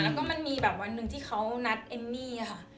แล้วก็มีวันนึงที่เค้านัดเอมมี้ค่ะ